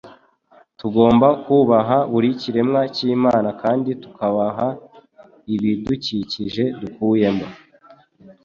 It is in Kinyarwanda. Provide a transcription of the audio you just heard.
Tugomba kubaha buri kiremwa cyImana kandi tukubaha ibidukikije dutuyemo.